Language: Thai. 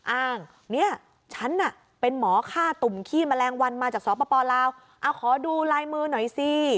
อ้างเนี่ยฉันน่ะเป็นหมอฆ่าตุ่มขี้แมลงวันมาจากสปลาวขอดูลายมือหน่อยสิ